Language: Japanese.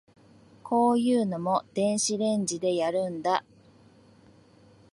こういうのも電子レンジでやるんだ